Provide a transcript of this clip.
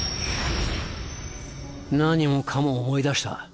何もかも思い出した